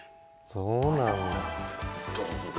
そうなんだ。